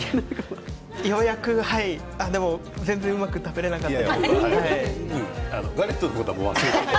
ようやくでも全然うまく食べられなくて。